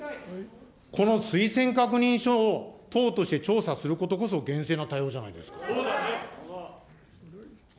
この推薦確認書を党として調査することこそ厳正な対応じゃないですか。